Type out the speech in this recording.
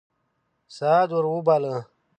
سعد ور وباله.